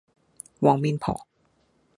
黃面婆